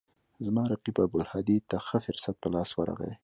زما رقیب ابوالهدی ته ښه فرصت په لاس ورغی.